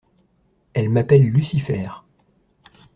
Elle m'appelle Lucifer.